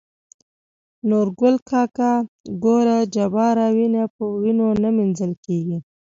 نورګل کاکا :ګوره جباره وينه په وينو نه مينځل کيږي.